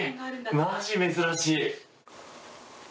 マジ珍しい。